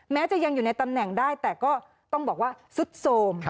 แม้จะยังอยู่ในตำแหน่งได้แต่ก็ต้องบอกว่าสุดโสม